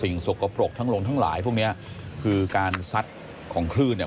สกปรกทั้งลงทั้งหลายพวกเนี้ยคือการซัดของคลื่นเนี่ย